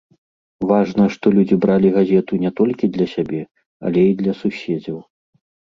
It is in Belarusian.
Важна, што людзі бралі газету не толькі для сябе, але і для суседзяў.